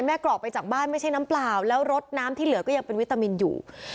กรอกไปจากบ้านไม่ใช่น้ำเปล่าแล้วรสน้ำที่เหลือก็ยังเป็นวิตามินอยู่